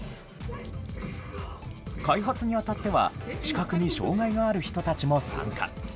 開発にあたっては視覚に障害のある人たちも参加。